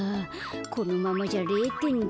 このままじゃ０てんだ。